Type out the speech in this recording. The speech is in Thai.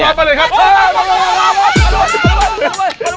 เปียบแล้วกันเลยครับ